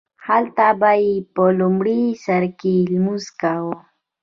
هلته به یې په لومړي سرکې لمونځ کاوو.